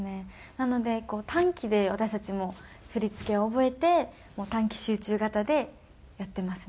なので短期で私たちも振り付けを覚えてもう短期集中型でやってますね。